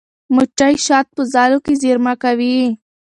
مچۍ شات په ځالو کې زېرمه کوي.